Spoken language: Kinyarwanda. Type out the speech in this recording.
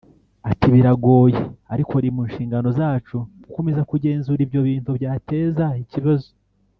Ati “Biragoye ariko biri mu nshingano zacu gukomeza kugenzura ibyo bintu byateza ikibazo